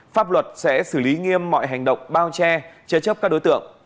pháp luật sẽ xử lý nghiêm mọi hành động bao che chế chấp các đối tượng